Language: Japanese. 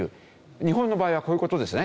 日本の場合はこういう事ですね。